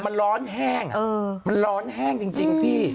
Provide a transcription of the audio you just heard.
มันร้อนแห้งมันร้อนแห้งจริงพี่